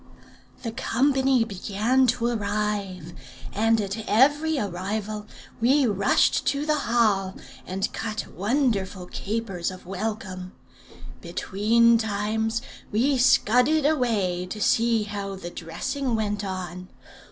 The company began to arrive; and at every arrival we rushed to the hall, and cut wonderful capers of welcome. Between times we scudded away to see how the dressing went on.